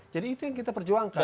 jadi itu yang kita perjuangkan